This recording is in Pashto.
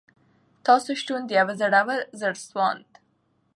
تاسو شتون د یوه زړور، زړه سواند